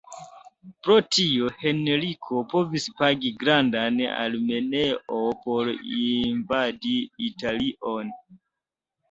Pro tio Henriko povis pagi grandan armeon por invadi Italion.